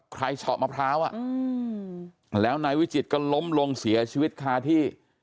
เฉาะมะพร้าวแล้วนายวิจิตก็ล้มลงเสียชีวิตคาที่